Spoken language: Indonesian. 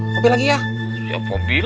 kopi lagi ya